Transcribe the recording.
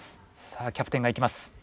さあキャプテンがいきます。